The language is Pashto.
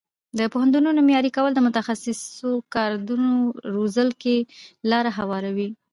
د پوهنتونونو معیاري کول د متخصصو کادرونو روزلو ته لاره هواروي.